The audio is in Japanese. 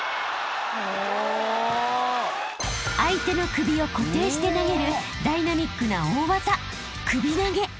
［相手の首を固定して投げるダイナミックな大技］